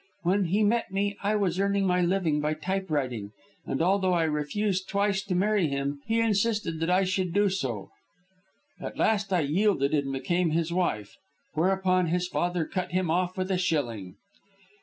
When he met me I was earning my living by typewriting, and although I refused twice to marry him he insisted that I should do so. At last I yielded and became his wife, whereupon his father cut him off with a shilling.